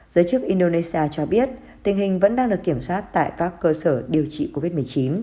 giới chức indonesia cho biết tình hình vẫn đang được kiểm soát tại các cơ sở điều trị covid một mươi chín